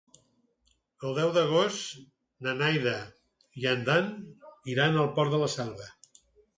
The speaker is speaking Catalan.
El deu d'agost na Neida i en Dan iran al Port de la Selva.